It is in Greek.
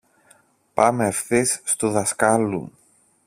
Πάμε ευθύς στου δασκάλου.